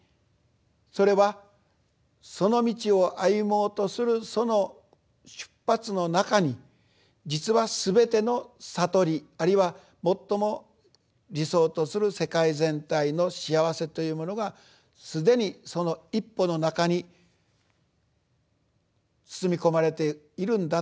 それはその道を歩もうとするその出発の中に実はすべての悟りあるいは最も理想とする世界全体の幸せというものがすでにその一歩の中に包み込まれているんだと。